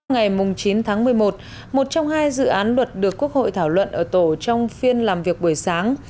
ngày chín tháng một mươi một một trong hai dự án luật được quốc hội thảo luận ở tổ trong phiên làm việc buổi sáng